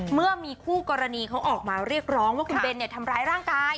เมื่อมีคู่กรณีเขาออกมาเรียกร้องว่าคุณเบนทำร้ายร่างกาย